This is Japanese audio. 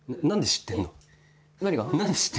何で知ってんの？